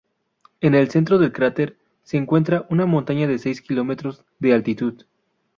En el centro del cráter se encuentra una montaña de seis kilómetros de altitud.